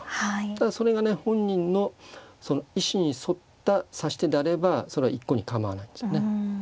ただそれがね本人の意思に沿った指し手であればそれは一向に構わないんですよね。